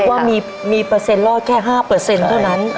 ว่ามีเปอร์เซ็นต์รอดแค่๕เท่านั้น